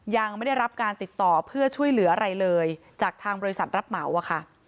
ยังไม่ได้รับการติดต่อเพื่อช่วยเหลืออะไรเลยจากทางบริษัทรับเหมาอะค่ะ